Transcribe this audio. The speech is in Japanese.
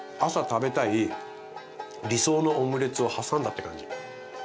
朝食べたい理想のオムレツを挟んだって感じ。